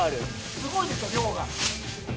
すごいですよ量が。